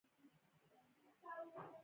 عدالت مو د قانون هره ماده وای